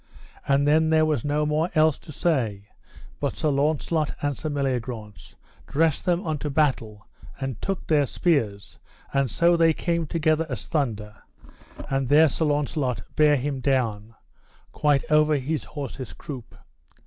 And then there was no more else to say, but Sir Launcelot and Sir Meliagrance dressed them unto battle, and took their spears; and so they came together as thunder, and there Sir Launcelot bare him down quite over his horse's croup.